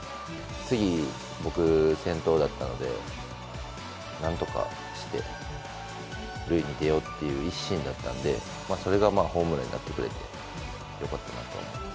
次、僕が先頭だったので何とかして塁に出ようという一心だったのでそれがホームランになってくれて良かったなと思います。